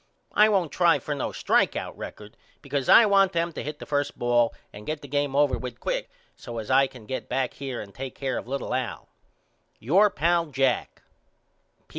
I won't try for no strike out record because I want them to hit the first ball and get the game over with quick so as I can get back here and take care of little Al. Your pal, JACK.